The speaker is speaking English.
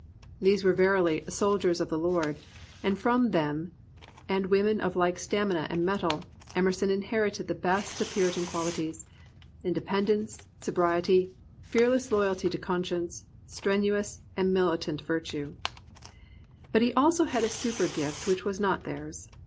These were verily "soldiers of the Lord," and from them and women of Hke stamina and mettle, Emerson inherited the best of puritan quahties: independence, sobriety, fearless loyalty to conscience, strenuous and militant virtue. But he had also a super gift which was not theirs.